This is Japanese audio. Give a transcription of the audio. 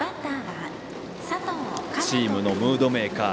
チームのムードメーカー